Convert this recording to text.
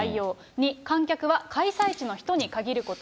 ２、観客は開催地の人に限ること。